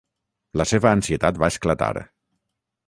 La seva ansietat va esclatar.